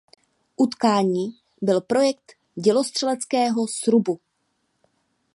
Unikátní byl projekt dělostřeleckého srubu.